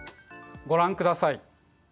ご覧ください。